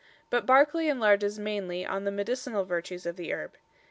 But Barclay enlarges mainly on the medicinal virtues of the herb.